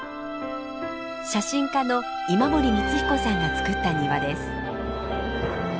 写真家の今森光彦さんがつくった庭です。